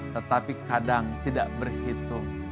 tetapi kadang tidak berhitung